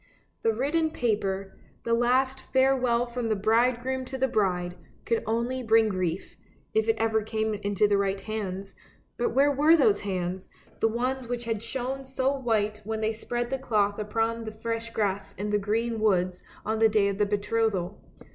The written paper, the last farewell from the bridegroom to the bride, could only bring grief, if it ever came into the right hands; but where were those hands, the ones which had shone so white when they spread the cloth upon the fresh grass in the green woods on the day of the betrothal?